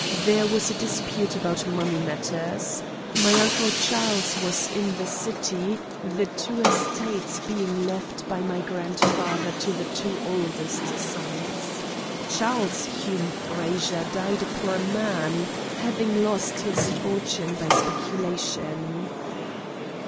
There was a dispute about money matters. My Uncle Charles was in the city, the two estates being left by my grandfather to the two oldest sons. Charles Hume Frazer died a poor man, having lost his fortune by speculation."